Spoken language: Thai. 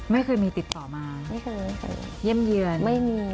ไม่เคยมีติดต่อมาไม่เคยเยี่ยมเยือนไม่มี